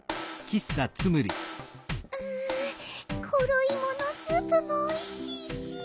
うんころいものスープもおいしいしうん。